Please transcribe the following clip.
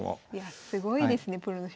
すごいですねプロの将棋。